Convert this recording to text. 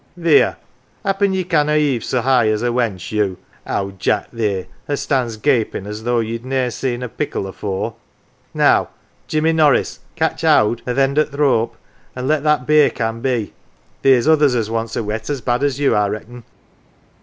" Theer ! happen ye canna heave so high as a wench, you, owd Jack theer, as stands gapin 1 as though ye'd ne'er seen a pikel afore? Now, Jimmy Norris, catch howd o > th 1 end o" 1 th" 1 rope, an 1 let that beer can be. Theers others as wants a wet as bad as you, I reckon.